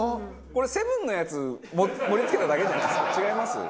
これセブンのやつ盛り付けただけじゃないですか？